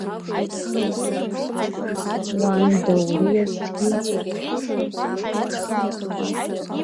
Уан дауриазҭгьы.